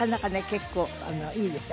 結構いいですよ